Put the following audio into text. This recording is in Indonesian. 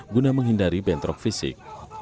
guna menghindari bentrok fisik